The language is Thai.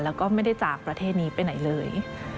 แล้วก็ไม่ได้จากประเทศนี้ไปไหนเลย